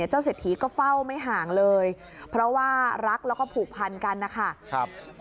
เศรษฐีก็เฝ้าไม่ห่างเลยเพราะว่ารักแล้วก็ผูกพันกันนะคะ